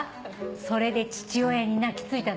それで父親に泣き付いたのかも。